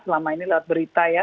selama ini lewat berita ya